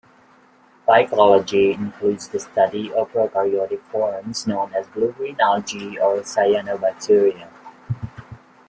Phycology includes the study of prokaryotic forms known as blue-green algae or cyanobacteria.